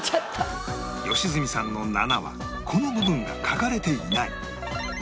良純さんの７はこの部分が書かれていない